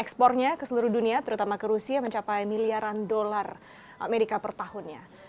ekspor nya keseluruh dunia terutama kerusi mencapai milyaran dolar amerika per tahun ia